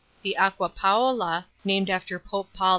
the Acqua Paola, named after Pope Paul ^'.